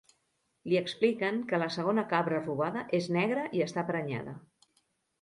Li expliquen que la segona cabra robada és negra i està prenyada.